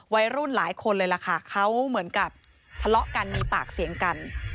วัยรุ่นหลายคนเลยล่ะค่ะเขาเหมือนกับทะเลาะกันมีปากเสียงกัน